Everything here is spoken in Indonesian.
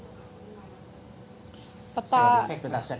itu lokasi secara spesifik